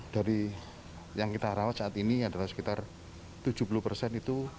dari yang kita rawat saat ini adalah sekitar tujuh puluh persen itu